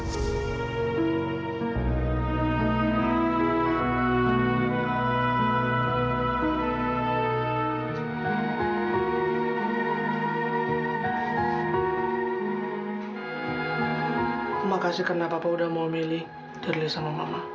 terima kasih karena papa sudah mau memilih dirlih sama mama